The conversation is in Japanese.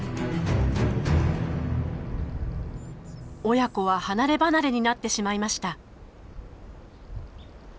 親子は離れ離れになってしまいました。